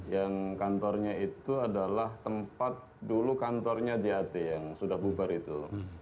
yang kantornya itu adalah tempat dulu kantornya jat yang sudah bubar itu